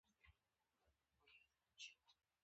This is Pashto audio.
رسوب د افغان ماشومانو د لوبو یوه جالبه موضوع ده.